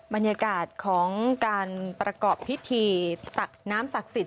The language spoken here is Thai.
บรรยากาศของการประกอบพิธีตักน้ำศักดิ์สิทธิ